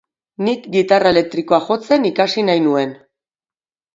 Nik gitarra elektrikoa jotzen ikasi nahi nuen.